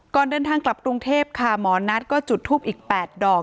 ก่อนเดินทางกลับกรุงเทพค่ะหมอนัทก็จุดทูปอีก๘ดอก